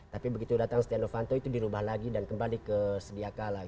tapi begitu datang steno vanto itu dirubah lagi dan kembali ke sediakala